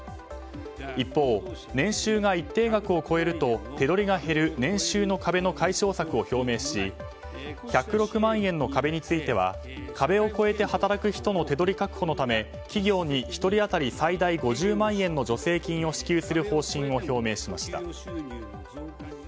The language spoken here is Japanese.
一方、年収が一定額を超えると手取りが減る年収の壁の解消策を表明し１０６万円の壁については壁を越えて働く人の手取り確保のため企業に１人当たり最大５０万円の助成金を支給する方針を表明しました。